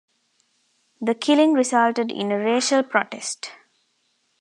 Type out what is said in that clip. The killing resulted in a racial protest.